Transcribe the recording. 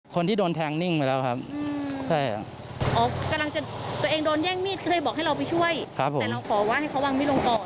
คนที่โดนแทงนิ่งไปแล้วครับใช่ครับอ๋อกำลังจะตัวเองโดนแย่งมีดก็เลยบอกให้เราไปช่วยแต่เราขอว่าให้เขาวางมีดลงก่อน